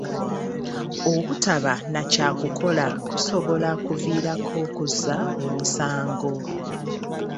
Obutaba na kyakukola kusobola okuviirako okuzza emisango.